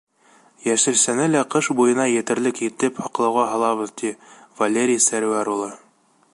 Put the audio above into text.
Йәшелсәне лә ҡыш буйына етерлек итеп һаҡлауға һалабыҙ, — ти Валерий Сәрүәр улы.